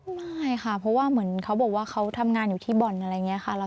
ไม่ค่ะเพราะว่าเหมือนเขาบอกว่าเขาทำงานอยู่ที่บ่อนอะไรอย่างนี้ค่ะ